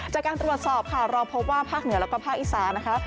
จากการตรวจสอบค่ะเราพบว่าภาคเหนือแล้วก็ภาคอีสานนะคะ